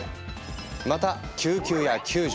また救急や救助。